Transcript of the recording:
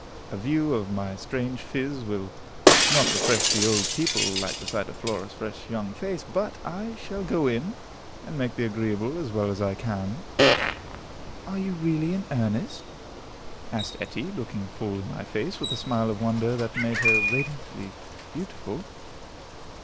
A view of my strange phiz will not refresh the old people like the sight of Flora's fresh young face, but I shall go in, and make the agreeable as well as I can." "Are you really in earnest?" asked Etty, looking full in my face, with a smile of wonder that made her radiantly beautiful.